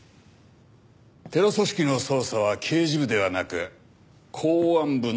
テロ組織の捜査は刑事部ではなく公安部の案件です。